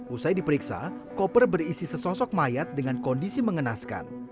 usai diperiksa koper berisi sesosok mayat dengan kondisi mengenaskan